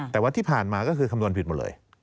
แต่ว่าที่ผ่านมาก็คือคำนวณผิดหมดเลย